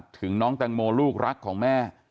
ถึงน้องแตงโมลูกรักของแม่